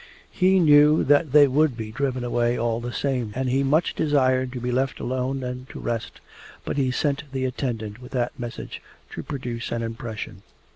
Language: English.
He knew that they would be driven away all the same, and he much desired to be left alone and to rest, but he sent the attendant with that message to produce an impression.